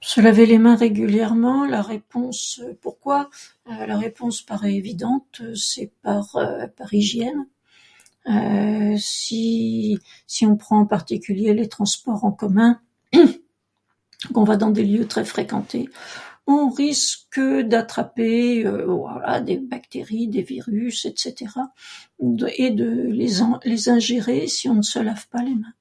Se laver les mains régulièrement. La réponse, pourquoi ? La réponse paraît évidente : C'est par hygiène. Si on prend en particulier les transports en commun, qu'on va dans des lieux très fréquentés, on risque d'attraper des bactéries, des virus etc... et de les ingérer si on ne se lave pas les mains.